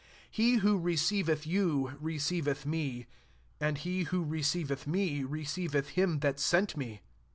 40 He who receiveth you, receiveth me ; and he who receiveth me, re ceiveth him that sent me.